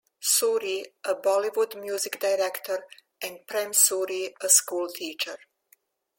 Suri, a Bollywood music director, and Prem Suri, a schoolteacher.